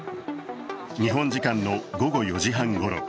日本時間の午後４時半ごろ